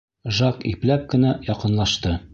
Жак ипләп кенә яҡынлашты.